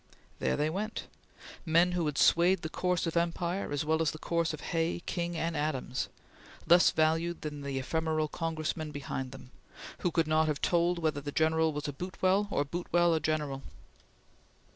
There they went! Men who had swayed the course of empire as well as the course of Hay, King, and Adams, less valued than the ephemeral Congressman behind them, who could not have told whether the general was a Boutwell or Boutwell a general.